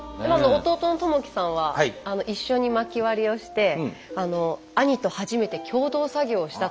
弟の智紀さんは一緒に薪割りをして兄と初めて共同作業をしたと。